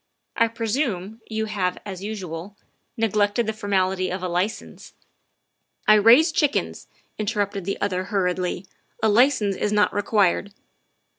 I presume you have, as usual, neglected the formality of a ' license.' '" I raise chickens," interrupted the other hurriedly; " a license is not required."